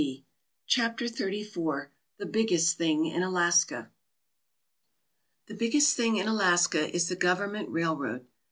270 CHAPTER XXXIV THE BIGGEST THING IN ALASKA THE biggest thing in Alaska is the government railroad.